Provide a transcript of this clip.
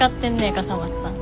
笠松さん。